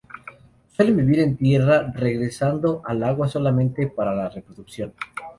Suelen vivir en tierra, regresando al agua solamente para la reproducción.